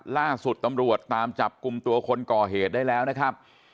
ล่าสุดตำรวจตามจับกลุ่มตัวคนก่อเหตุได้แล้วนะครับ